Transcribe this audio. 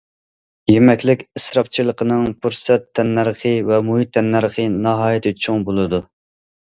يېمەكلىك ئىسراپچىلىقىنىڭ پۇرسەت تەننەرخى ۋە مۇھىت تەننەرخى ناھايىتى چوڭ بولىدۇ.